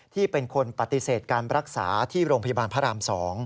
ที่เป็นคนปฏิเสธการรักษาที่โรงพยาบาลพระราม๒